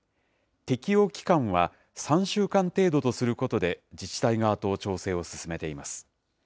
適用期間は３週間程度とすることで自治体側と調整を進めています。